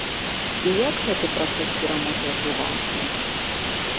І як гэты працэс перамогі адбываўся?